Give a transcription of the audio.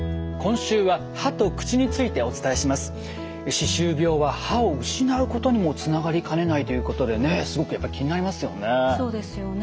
歯周病は歯を失うことにもつながりかねないということでねすごくやっぱり気になりますよね。